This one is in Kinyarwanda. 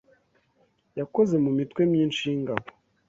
Yakoze mu mitwe myinshi y’ingabo